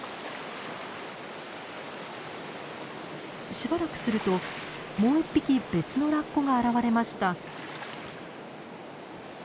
しばらくするともう１匹別のラッコが現れました。